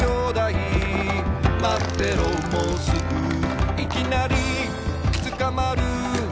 「まってろもうすぐ」「いきなりつかまる」